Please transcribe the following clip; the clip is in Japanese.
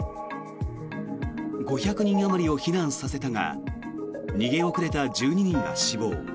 ５００人あまりを避難させたが逃げ遅れた１２人が死亡。